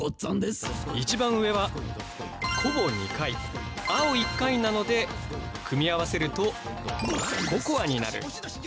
一番上は「こ」を２回「あ」を１回なので組み合わせると「ココア」になる。